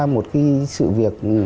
một cái sự việc